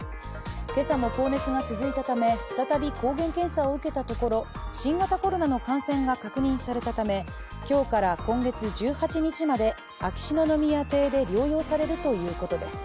今朝も高熱が続いたため再び抗原検査を受けたところ新型コロナの感染が確認されたため今日から今月１８日まで秋篠宮邸で療養されるということです。